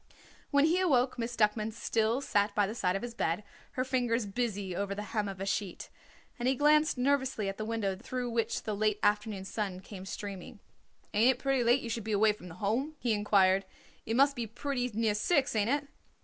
When he awoke Miss Duckman still sat by the side of his bed, her fingers busy over the hem of a sheet, and he glanced nervously at the window through which the late afternoon sun came streaming. "Ain't it pretty late you should be away from the Home?" he inquired. "It must be pretty near six, ain't it?"